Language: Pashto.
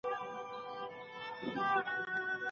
هيڅوک نه غواړي چي په خپل کور کي شخړي ولري.